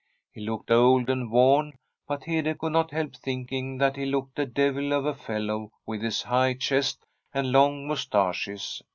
He looked old and worn, but Hede could not help thinking that he looked a devil of a fellow with his high chest and long moustaches.